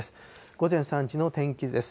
午前３時の天気図です。